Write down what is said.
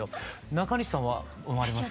中西さんは飲まれますか？